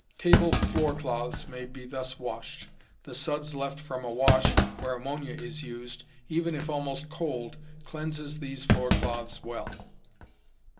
Table floor cloths may be thus washed. The suds left from a wash where ammonia is used, even if almost cold, cleanses these floor cloths well.